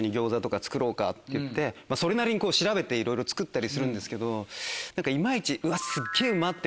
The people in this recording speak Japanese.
それなりにこう調べていろいろ作ったりするんですけど何か今イチ。